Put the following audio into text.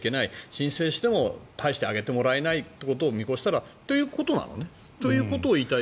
申請しても大して上げてもらえないということを見越したらということなのねということを言いたい。